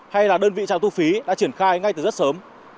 hay là đơn vị trạm thu phí đã triển khai ngay từ rất sớm